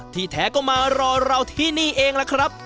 แท้ก็มารอเราที่นี่เองล่ะครับ